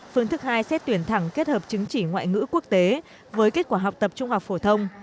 phương thức hai xét tuyển thẳng kết hợp chứng chỉ ngoại ngữ quốc tế với kết quả học tập trung học phổ thông